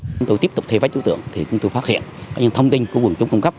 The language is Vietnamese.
chúng tôi tiếp tục thay phát trú tượng thì chúng tôi phát hiện những thông tin của quần chúng cung cấp